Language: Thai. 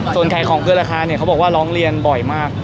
ส่วนขายของเกินราคาเนี่ยเขาบอกว่าร้องเรียนบ่อยมาก